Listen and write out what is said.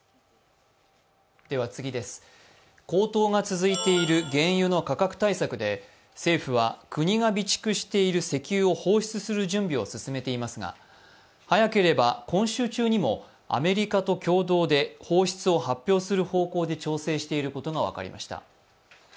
高騰が続いている原油の価格対策で政府は国が備蓄している石油を放出する準備を進めていますが早ければ今週中にもアメリカと共同で放出を発表する方向で調整していることが分かりました。